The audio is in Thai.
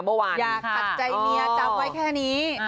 อย่าขัดใจเมียจำไว้แค่นี้